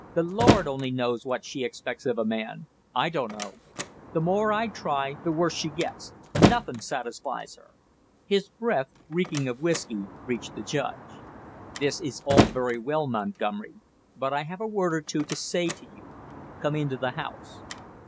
"The Lord only knows what she expects of a man I dunno! The more I try, the worse she gets; nothin' satisfies her!" His breath, reeking of whisky, reached the judge. "This is all very well, Montgomery, but I have a word or two to say to you come into the house."